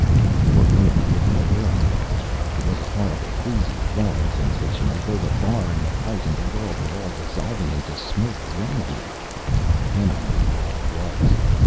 For a minute, I didn't know where I was. It was a horrible queasy falling sensation, as though the bar and the fight and the world were all dissolving into smoke around me. Then I knew where I was.